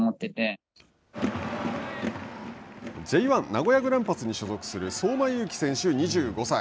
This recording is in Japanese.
Ｊ１名古屋グランパスに所属する相馬勇紀選手２５歳。